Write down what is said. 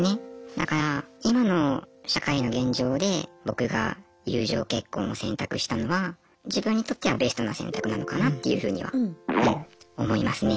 だから今の社会の現状で僕が友情結婚を選択したのは自分にとってはベストな選択なのかなっていうふうには思いますね。